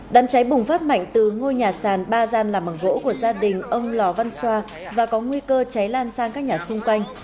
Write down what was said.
đám cháy bùng phát mạnh từ ngôi nhà sàn ba gian làm bằng gỗ của gia đình ông lò văn xoa và có nguy cơ cháy lan sang các nhà xung quanh